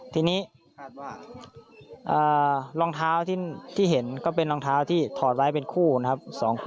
ทีนี้รองเท้าที่เห็นก็เป็นรองเท้าที่ถอดไว้เป็นคู่นะครับ